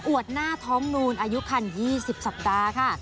วดหน้าท้องนูนอายุคัน๒๐สัปดาห์ค่ะ